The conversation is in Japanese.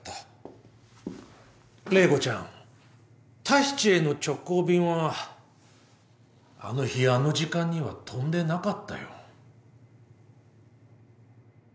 タヒチへの直行便はあの日あの時間には飛んでなかったよ。